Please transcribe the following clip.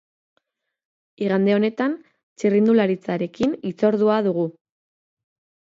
Igande honetan, txirrindularitzarekin hitzordua dugu.